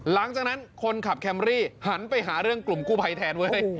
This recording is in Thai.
หลังจากนั้นคนขับแคมรี่หันไปหาเรื่องกลุ่มกู้ภัยแทนเว้ย